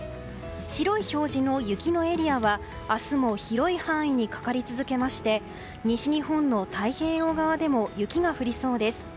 白い表示の雪のエリアは明日も広い範囲にかかり続けまして西日本の太平洋側でも雪が降りそうです。